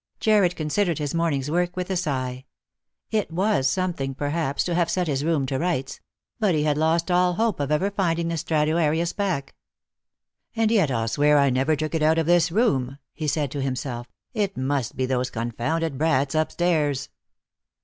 Jarred considered his morning's work with a sigh. It was something, perhaps, to have set his room to rights ; but he had lost all hope of ever finding the Straduarius back. " And yet I'll swear I never took it out of this room," he said to himself. "It must be those confounded brats up stairs."